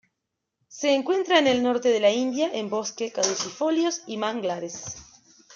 Se encuentra en el norte de la India en bosque caducifolios y manglares.